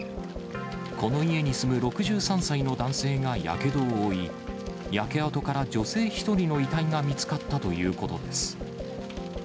この家に住む６３歳の男性がやけどを負い、焼け跡から女性１人の遺体が見つかったということです。